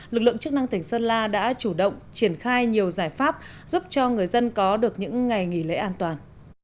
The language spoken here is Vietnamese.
lực lượng chức năng tỉnh sơn la đã chủ động triển khai nhiều giải pháp giúp cho người dân có được những ngày nghỉ lễ an toàn